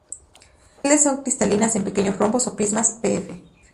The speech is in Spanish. Las sales son cristalinas; en pequeños rombos o prismas, pf.